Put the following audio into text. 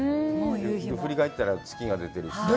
振り返ったら月が出ているし。